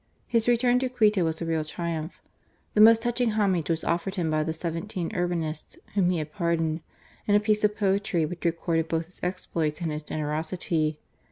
His return to Quito was a real triumph. The most touching homage was offered him by the seventeen Urbinists whom he had pardoned, in a piece of poetry which recorded both his exploits and his generosity.